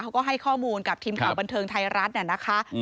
เขาก็ให้ข้อมูลกับทีมข่าวบันเทิงไทยรัฐน่ะนะคะ